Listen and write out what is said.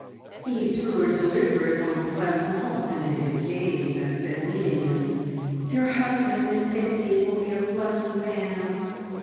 He threw a deliberate empressement into his gaze, and said meaningly "Your husband, Miss Pixie, will be a lucky man!"